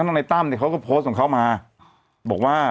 แต่ทนายตั้มเนี่ยเขาก็โพสต์ของเขามา